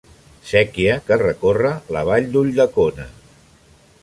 Séquia que recorre la Vall d'Ulldecona.